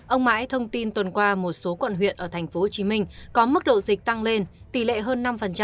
ông mãi thông tin tuần qua một số quận huyện ở tp hcm có mức độ dịch tăng lên tỷ lệ hơn năm